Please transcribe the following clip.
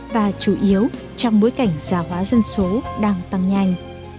và chủ yếu trong bối cảnh già hóa dân số đang tăng nhanh